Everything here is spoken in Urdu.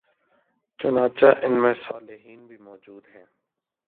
چنانچہ ان میں صالحین بھی موجود ہیں